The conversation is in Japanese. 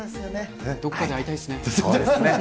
どっかで会いたいですね。